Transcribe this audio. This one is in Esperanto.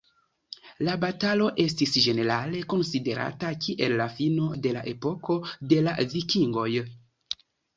La batalo estis ĝenerale konsiderata kiel la fino de la epoko de la Vikingoj.